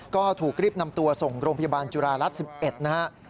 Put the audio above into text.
ก็ถูกรีบนำตัวส่งโรงพยาบาลจุฬารัฐ๑๑นะครับ